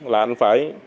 là anh phải